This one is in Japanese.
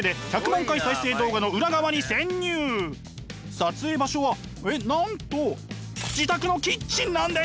撮影場所はえっなんと自宅のキッチンなんです！